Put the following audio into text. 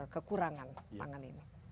kekurangan pangan ini